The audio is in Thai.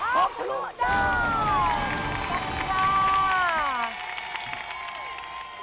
พร้อมทะโลโดย